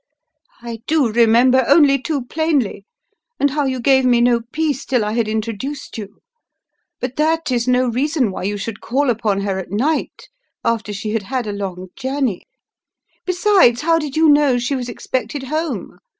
"I do remember, only too plainly, and how you gave me no peace till I had introduced you, but that is no reason why you should call upon her at night, after she had had a long journey. Besides, how did you know she was expected home?